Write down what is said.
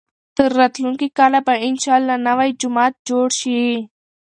تر راتلونکي کاله به انشاالله نوی جومات جوړ شي.